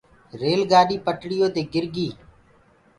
ريل گآڏي پٽڙيو دي گِر گيٚ۔